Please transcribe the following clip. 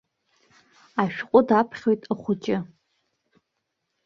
Ашәҟәы даԥхьоит ахәыҷы.